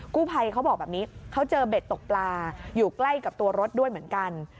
กู้ภัยเขาบอกแบบนี้เขาเจอเบ็ดตกปลาอยู่ใกล้กับตัวรถด้วยเหมือนกัน